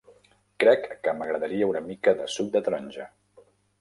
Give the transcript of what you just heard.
Crec que m'agradaria una mica de suc de taronja.